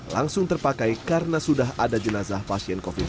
langsung terpakai karena sudah ada jenazah pasien covid sembilan belas